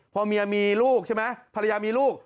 พอเมียมีลูกใช่ไหมภรรยามีลูก